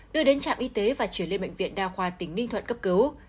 đưa đến trạm y tế và chuyển lên bệnh viện đa khoa tỉnh ninh thuận cấp cứu